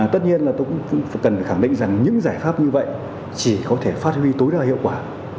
tất nhiên là tôi cũng cần khẳng định rằng những giải pháp như vậy chỉ có thể phát huy tối đa hiệu quả